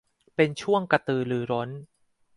เป็นช่วงกระตือรือร้น